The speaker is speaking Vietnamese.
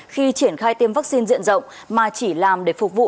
khi triển khai tiêm vaccine diện rộng mà chỉ làm để phục vụ